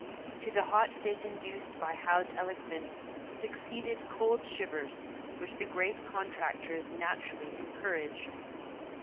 To the hot fit induced by Howe's eloquence succeeded cold shivers, which the great contractors naturally encouraged.